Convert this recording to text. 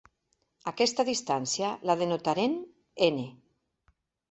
Aquesta distància la denotarem "n".